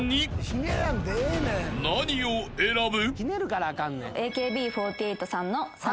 ［何を選ぶ？］